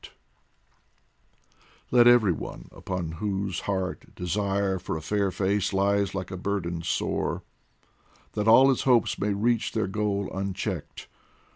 POEMS FROM THE Let every one upon whose heart desire For a fair face lies like a burden sore, That all his hopes may reach their goal unchecked